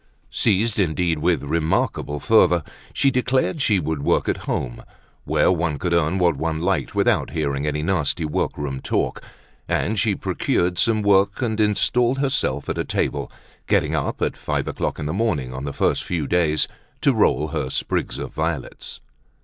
Seized indeed with remarkable fervor, she declared she would work at home, where one could earn what one liked without hearing any nasty work room talk; and she procured some work and installed herself at a table, getting up at five o'clock in the morning on the first few days to roll her sprigs of violets.